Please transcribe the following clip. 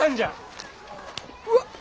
うわっ！